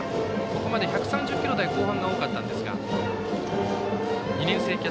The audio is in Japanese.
ここまで１３０キロ台後半が多かったんですが。